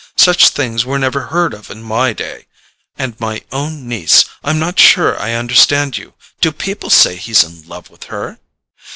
"Such things were never heard of in my day. And my own niece! I'm not sure I understand you. Do people say he's in love with her?"